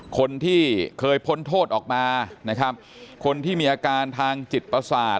คนที่เคยพ้นโทษออกมานะครับคนที่มีอาการทางจิตประสาท